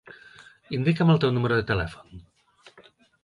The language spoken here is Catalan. Indica'm el teu número de telèfon.